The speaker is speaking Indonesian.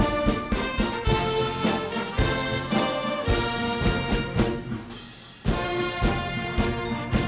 undangan disilahkan duduk kembali